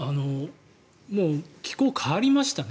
気候が変わりましたね